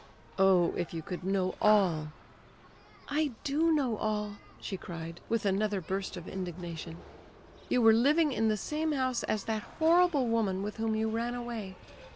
"Oh, if you could know all!" "I do know all!" she cried, with another burst of indignation. "You were living in the same house as that horrible woman with whom you ran away."